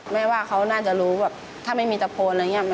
แม่ว่าเขาน่าจะรู้แบบถ้าไม่มีตะโพนอะไรอย่างนี้